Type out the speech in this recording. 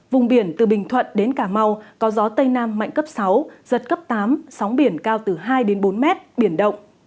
vùng biển từ bình thuận đến cà mau có gió tây nam mạnh cấp sáu giật cấp tám sóng biển cao từ hai đến bốn mét biển động